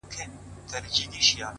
ځاى جوړاوه،